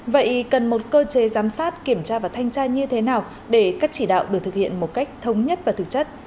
vậy cần một cơ chế giám sát kiểm tra và thanh tra như thế nào để các chỉ đạo được thực hiện một cách thống nhất và thực chất